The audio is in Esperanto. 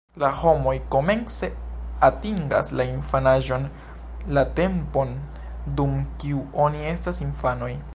La homoj komence atingas la infanaĝon, la tempon, dum kiu oni estas infanoj.